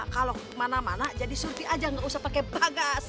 kalau kemana mana jadi surfi aja nggak usah pakai bagas